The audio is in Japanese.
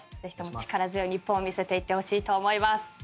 力強い日本を見せていってほしいと思います。